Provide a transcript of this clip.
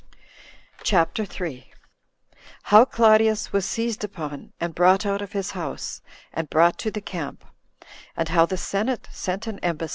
CHAPTER 3. How Claudius Was Seized Upon And Brought Out Of His House And Brought To The Camp; And How The Senate Sent An Embassage To Him.